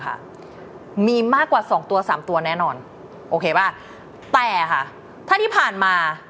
ค่ะมีมากกว่าสองตัวสามตัวแน่นอนโอเคป่ะแต่ค่ะถ้าที่ผ่านมา